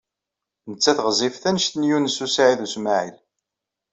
Nettat ɣezzifet anect n Yunes u Saɛid u Smaɛil.